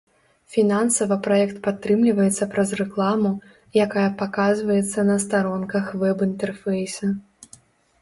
Фінансава праект падтрымліваецца праз рэкламу, якая паказваецца на старонках веб-інтэрфейса.